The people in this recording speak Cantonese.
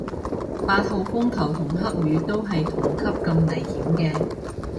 八號風球同黑雨都係同級咁危險嘅